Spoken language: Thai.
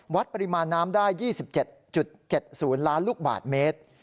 วัดปริมาณน้ำได้๒๗๗๐ล้านลูกบาทเมตร